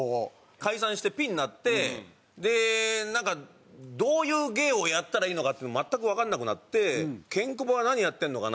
解散してピンになってなんかどういう芸をやったらいいのかっていうのが全くわかんなくなってケンコバは何やってるのかな？